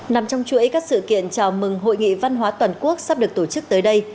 nằm trong chuỗi các sự kiện chào mừng hội nghị văn hóa toàn quốc sắp được tổ chức tới đây